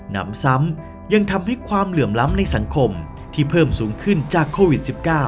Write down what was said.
นำซ้ำยังทำให้ความเหลื่อมล้ำในสังคมที่เพิ่มสูงขึ้นจากโควิด๑๙